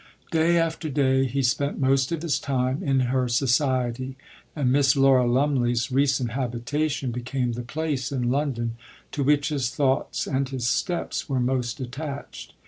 Day after day he spent most of his time in her society, and Miss Laura Lumley's recent habitation became the place in London to which his thoughts and his steps were most attached.